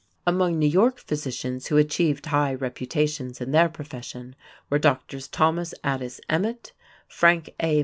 Among New York physicians who achieved high reputations in their profession were Drs. Thomas Addis Emmet, Frank A.